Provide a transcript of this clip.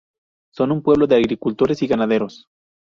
Son un pueblo de agricultores y ganaderos.